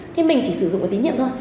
thì mình chỉ sử dụng một tín nhiệm thôi